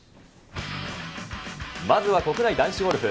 まずは国内男子ゴルフ。